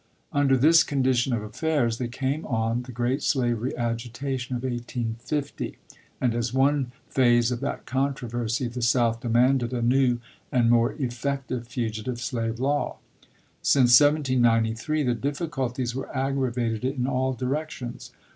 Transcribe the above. Under this condition of affairs, there came on the great slavery agitation of 1850, and, as one phase of that controversy, the South demanded a new and more effective fugitive slave law. Since 1793 the difficulties were aggravated in all di rections.